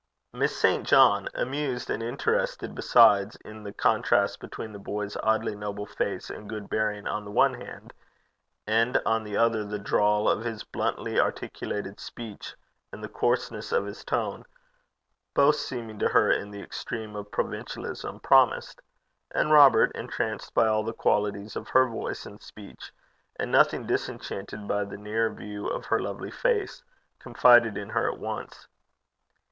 Miss St. John, amused, and interested besides in the contrast between the boy's oddly noble face and good bearing on the one hand, and on the other the drawl of his bluntly articulated speech and the coarseness of his tone, both seeming to her in the extreme of provincialism, promised; and Robert, entranced by all the qualities of her voice and speech, and nothing disenchanted by the nearer view of her lovely face, confided in her at once.